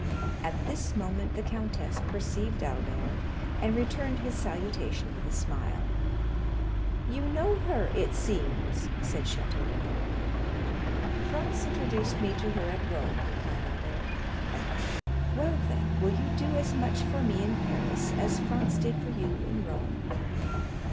At this moment the countess perceived Albert, and returned his salutation with a smile. "You know her, it seems?" said Château Renaud. "Franz introduced me to her at Rome," replied Albert. "Well, then, will you do as much for me in Paris as Franz did for you in Rome?"